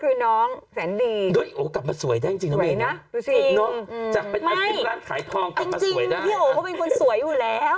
คือน้องแสนดีสวยนะดูสิจากเป็นอสิมร้านขายทองกลับมาสวยได้จริงพี่โหก็เป็นคนสวยอยู่แล้ว